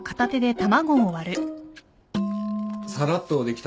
さらっとできたな。